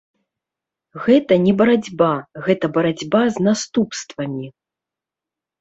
Гэта не барацьба, гэта барацьба з наступствамі.